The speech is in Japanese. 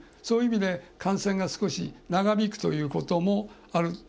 そういう意味で、感染が少し長引くということもある。